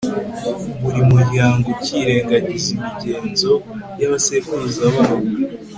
buri muryango ukirengagiza imigenzo y'abasekuruza bawo